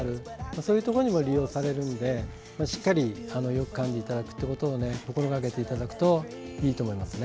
そういうところにも利用されるのでしっかりよくかむことを心がけていただくといいと思いますね。